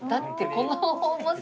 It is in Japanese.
この重さ。